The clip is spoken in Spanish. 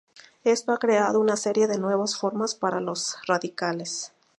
Esto ha creado una serie de nuevas formas para los radicales.